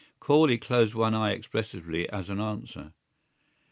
Corley closed one eye expressively as an answer.